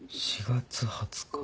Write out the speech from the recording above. ４月２０日。